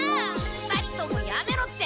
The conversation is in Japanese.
２人ともやめろって！